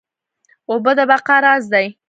اوبه د بقا راز دي